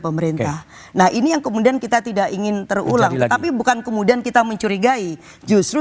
pemerintah nah ini yang kemudian kita tidak ingin terulang tapi bukan kemudian kita mencurigai justru